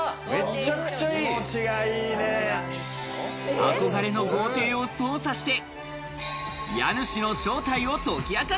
憧れの豪邸を捜査して家主の正体を解き明かす。